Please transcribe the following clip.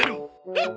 えっ？